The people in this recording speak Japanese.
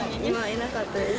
いなかったです。